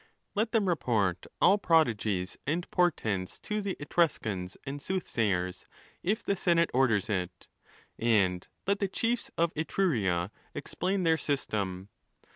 Let them report all prodigies and portents to the Etruscans and soothsayers, if the senate orders it ; and let the chiefs of Etruria explain their system.